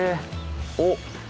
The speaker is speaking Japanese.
おっ！